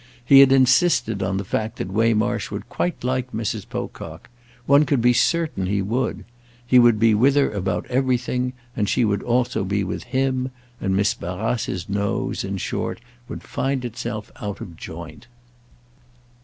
He had insisted on the fact that Waymarsh would quite like Mrs. Pocock—one could be certain he would: he would be with her about everything, and she would also be with him, and Miss Barrace's nose, in short, would find itself out of joint.